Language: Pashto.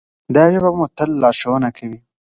دا ژبه به مو تل لارښوونه کوي.